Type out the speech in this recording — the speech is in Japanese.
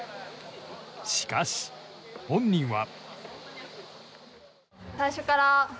しかし、本人は。